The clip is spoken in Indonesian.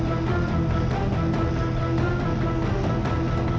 ini orang masih macem sama gue